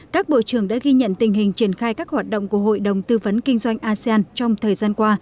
các bộ trưởng đã ghi nhận tình hình triển khai các hoạt động của hội đồng tư vấn kinh doanh asean trong thời gian qua